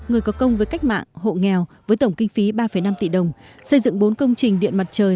người có công với cách mạng hộ nghèo với tổng kinh phí ba năm tỷ đồng xây dựng bốn công trình điện mặt trời